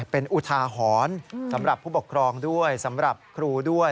เป็นอุทาหรณ์สำหรับผู้ปกครองด้วยสำหรับครูด้วย